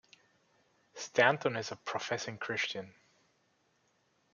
Stanton is a professing Christian.